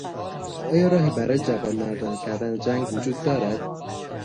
آیا راهی برای جوانمردانه کردن جنگ وجود دارد؟